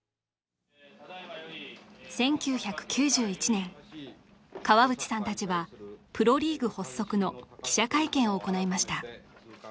１９９１年川淵さんたちはプロリーグ発足の記者会見を行いました